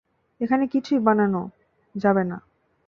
এখানে কিছুই বানানো, যাবে না।